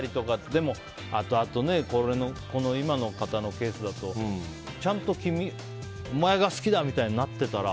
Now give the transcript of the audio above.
でも、後々今の方のケースだとちゃんとお前が好きだ！みたいになってたら。